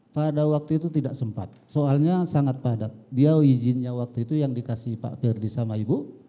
pada waktu itu tidak sempat soalnya sangat padat dia izinnya waktu itu yang dikasih pak ferdi sama ibu